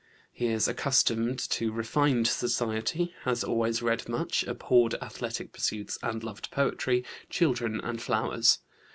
He is accustomed to refined society, has always read much, abhorred athletic pursuits, and loved poetry, children, and flowers.